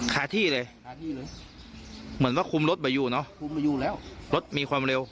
หาที่เลยเหมือนว่าคุมรถไว้อยู่เนอะรถมีความเร็ว